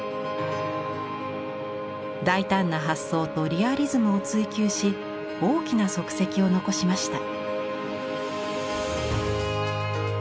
大胆な発想とリアリズムを追求し大きな足跡を残しました。